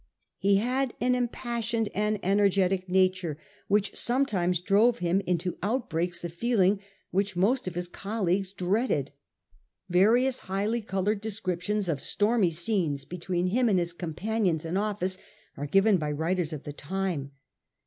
He had an im passioned and energetic nature, which sometimes drove him into outbreaks of feeling which most of his colleagues dreaded. Various highly coloured descriptions of stormy scenes between him and his companions in office are given by writers of the time.